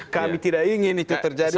kami tidak ingin itu terjadi